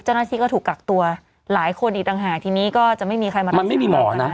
เจ้าหน้าที่ก็ถูกกักตัวหลายคนอีกต่างหากทีนี้ก็จะไม่มีใครมารับมันไม่มีหมอนะ